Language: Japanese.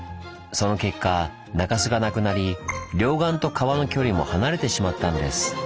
その結果中州がなくなり両岸と川の距離も離れてしまったんです。